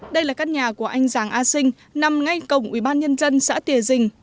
đây là căn nhà của anh giàng a sinh nằm ngay cổng ủy ban nhân dân xã tìa dình